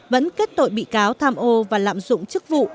vẫn kết tội bị cáo tham ô và lạm dụng chức vụ